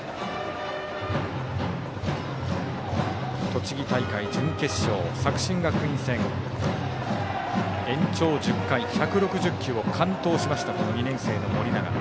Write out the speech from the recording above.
栃木大会準決勝、作新学院戦延長１０回１６０球を完投しました、２年生の盛永。